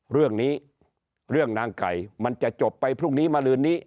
เรื่องนี้เรื่องนางไก่มันจะจบไปพรุ่งนี้มาลืนนี้